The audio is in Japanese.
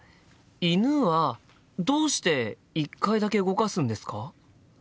「犬」はどうして１回だけ動かすんですか？